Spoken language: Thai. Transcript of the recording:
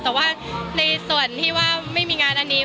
แต่ว่าในส่วนที่ว่าไม่มีงานอันนี้